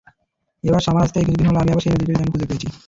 এবার সামার আসতেই, কিছুদিন হলো আমি আবার সেই নদীকেই যেন খুঁজে পেয়েছি।